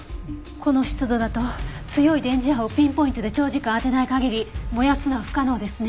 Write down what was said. この湿度だと強い電磁波をピンポイントで長時間当てない限り燃やすのは不可能ですね。